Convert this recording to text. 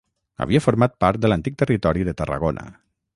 Havia format part de l'antic Territori de Tarragona.